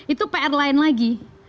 itu pr lain lagi